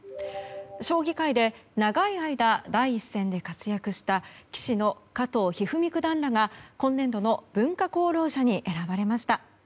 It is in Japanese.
将棋界で、長い間第一線で活躍した棋士の加藤一二三九段らが今年度の文化功労者に選ばれました。